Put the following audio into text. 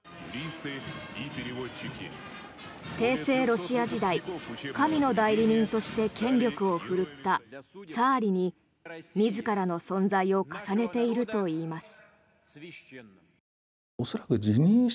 帝政ロシア時代神の代理人として権力を振るったツァーリに自らの存在を重ねているといいます。